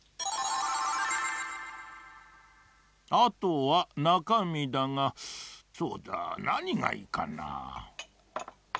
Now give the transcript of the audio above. あとはなかみだがそうだなにがいいかな。